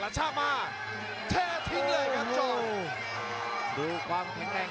แชลเบียนชาวเล็ก